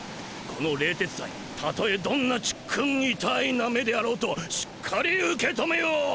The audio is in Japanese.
この冷徹斎たとえどんなちっくんいたーいな目であろうとしっかり受けとめよう。